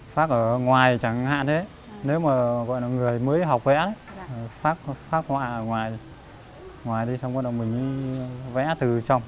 phát ở ngoài chẳng hạn nếu mà người mới học vẽ phát qua ở ngoài ngoài đi xong bắt đầu mình vẽ từ trong